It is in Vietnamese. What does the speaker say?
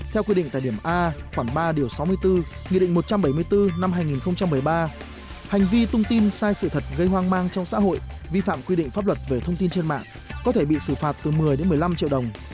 theo quy định tại điểm a khoảng ba điều sáu mươi bốn nghị định một trăm bảy mươi bốn năm hai nghìn một mươi ba hành vi tung tin sai sự thật gây hoang mang trong xã hội vi phạm quy định pháp luật về thông tin trên mạng có thể bị xử phạt từ một mươi đến một mươi năm triệu đồng